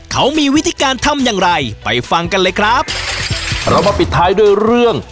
เขามีวิธีการทำอย่างไรไปฟังกันเลยครับเรามาปิดท้ายด้วยเรื่อง